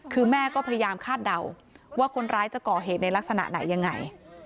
คือแม่ก็พยายามคาดเดาว่าคนร้ายจะก่อเหตุในลักษณะไหนยังไง